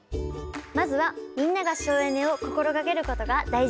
まずはみんなが省エネを心がけることが大事。